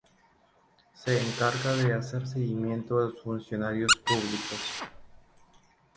Se encarga de hacer seguimiento a los funcionarios públicos.